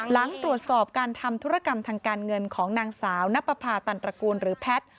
หลังตรวจสอบการทำธุรกรรมทางการเงินของนางสาวนับประพาตันตระกูลหรือแพทย์